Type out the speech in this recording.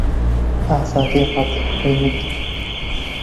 ئازادی ڕادەربڕینت